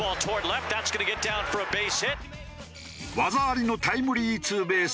技ありのタイムリーツーベースを放つと。